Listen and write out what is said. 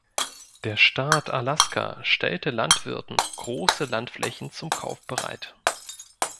Der Staat Alaska stellte Landwirten große Landflächen zum Kauf bereit.